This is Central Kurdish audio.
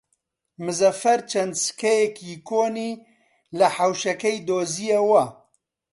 مزەفەر چەند سکەیەکی کۆنی لە حەوشەکەی دۆزییەوە.